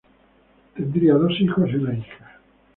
Tendrían dos hijos y una hija.